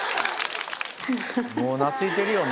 もうなついてるよね。